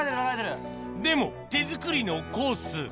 でも手作りのコース